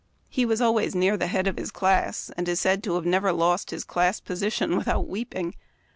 He was always near the head of his class, and is said to have never lost his class position without weeping.